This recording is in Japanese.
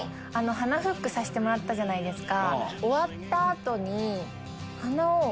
鼻フックさせてもらったじゃないですか。